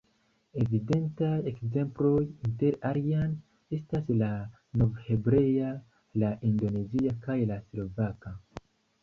Evidentaj ekzemploj, inter aliaj, estas la novhebrea, la indonezia kaj la slovaka.